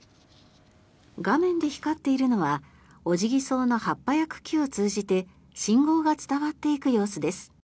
画面で光っているのはオジギソウの葉っぱや茎を通じて信号が伝わっていく様子です。